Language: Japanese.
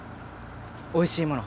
おいしいもの